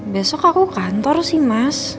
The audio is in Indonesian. besok aku kantor sih mas